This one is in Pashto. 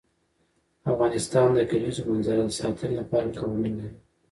افغانستان د د کلیزو منظره د ساتنې لپاره قوانین لري.